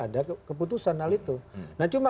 ada keputusan hal itu nah cuma